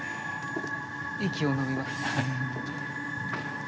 息をのみます。